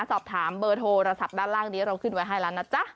สอบถามเบอร์โทรศัพท์ด้านล่างนี้เราขึ้นไว้ให้แล้วนะจ๊ะ